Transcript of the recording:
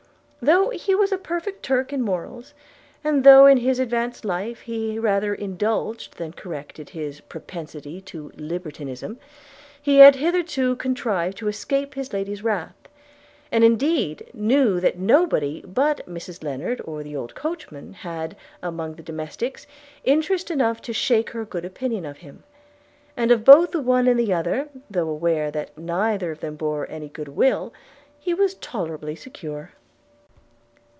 Though he was a perfect Turk in morals, and though in his advanced life he rather indulged than corrected this propensity to libertinism, he had hitherto contrived to escape his lady's wrath; and indeed knew that nobody but Mrs Lennard or the old coachman had, among the domestics, interest enough to shake her good opinion of him; and of both the one and the other, though aware that neither of them bore him any good will, he was tolerably secure.